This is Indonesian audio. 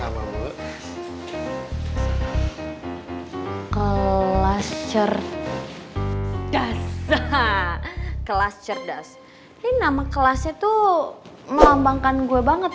terima kasih sama sama bu kelas cerdas kelas cerdas nama kelas itu melambangkan gue banget